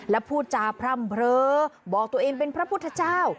และพูดจาพร่ำเผลอบอกตัวเองเป็นพระพุทธเจ้า